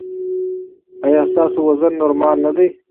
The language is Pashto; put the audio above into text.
ایا ستاسو وزن نورمال نه دی؟